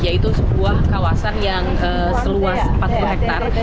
yaitu sebuah kawasan yang seluas empat puluh hektare